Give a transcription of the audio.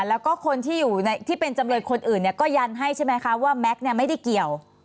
แล้วก็คนที่อยู่ที่เป็นจำเลยคนอื่นก็ยันให้ใช่ไหมคะว่าแม็กซ์ไม่ได้เกี่ยว